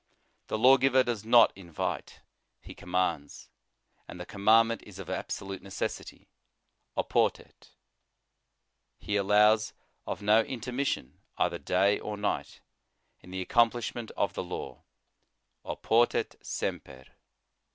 The law giver does not in vite; He commands, and the commandment is of absolute necessity, oportet ; He allows of no intermission, either day or night, in the accomplishment of the law, oportet semper.